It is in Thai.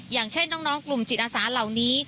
อย่างเช่นน้องกลุ่มจิตอาสาเหล่านี้